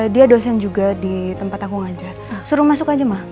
dia dosen juga di tempat aku ngajar suruh masuk aja mah